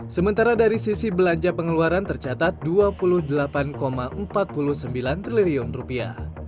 sementara dari sisi belanja pengeluaran tercatat dua puluh delapan empat puluh sembilan triliun rupiah